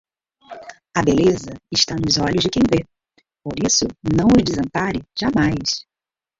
De seus pais, se forem velhos, não separe um punhado deles.